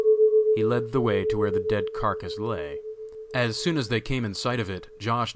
He led the way to where the dead carcass lay. As soon as they came in sight of it Josh.